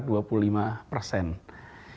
ini masih jauh di atas rekomendasi ideal dari who